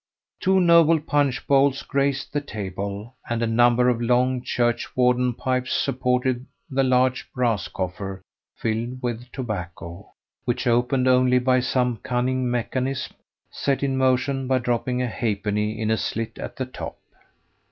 Two noble punch bowls graced the table, and a number of long "churchwarden" pipes supported the large brass coffer filled with tobacco, which opened only by some cunning mechanism, set in motion by dropping a halfpenny in a slit at the top.